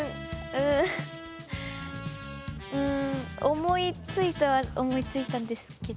思いついたは思いついたんですけど。